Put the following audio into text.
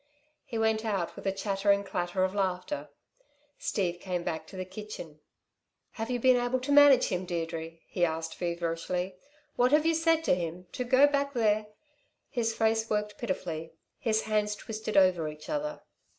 He went out with a chattering clatter of laughter. Steve came back to the kitchen. "Have you been able to manage him, Deirdre?" he asked, feverishly. "What have you said to him? To go back there " His face worked pitifully; his hands twisted over each other.